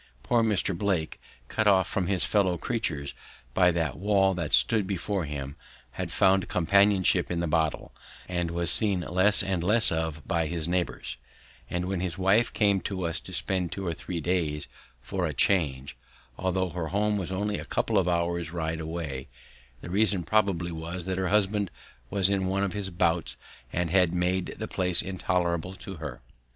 Poor Mr. Blake, cut off from his fellow creatures by that wall that stood before him, had found companionship in the bottle, and was seen less and less of by his neighbours; and when his wife came to us to spend two or three days "for a change," although her home was only a couple of hours' ride away, the reason probably was that her husband was in one of his bouts and had made the place intolerable to her.